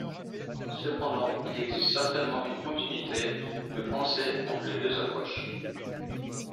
Cependant, il existe certainement une continuité de pensée entre les deux approches.